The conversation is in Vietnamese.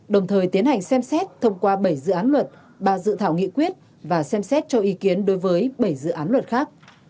đồng thời tiến hành xem xét thông qua bảy dự án luật ba dự thảo nghị quyết và xem xét cho ý kiến đối với bảy dự án luật khác